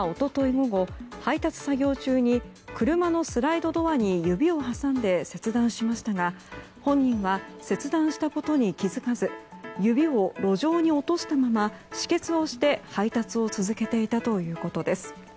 午後、配達作業中に車のスライドドアに指を挟んで切断しましたが本人は切断したことに気づかず指を路上に落としたまま止血をして配達を続けていたということです。